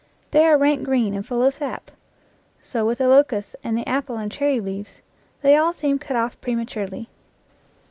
They are rank green and full of sap. So with the locusts, and the apple and cherry leaves; they all seem cut off prematurely.